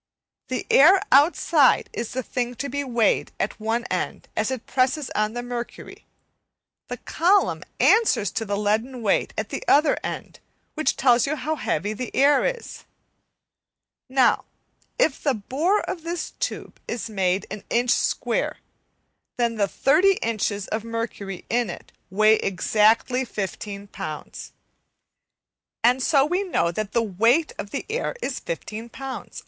The air outside is the thing to be weighed at one end as it presses on the mercury, the column answers to the leaden weight at the other end which tells you how heavy the air is. Now if the bore of this tube is made an inch square, then the 30 inches of mercury in it weigh exactly 15 lbs, and so we know that the weight of the air is 15 lbs.